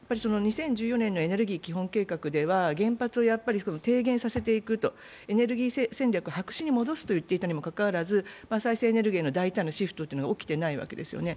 ２０１４年のエネルギー基本計画では原発を低減させていくと、エネルギー戦略を白紙に戻すと言ってたにもかかわらず、再生エネルギーの大胆なシフトは起きてないわけですよね。